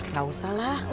gak usah lah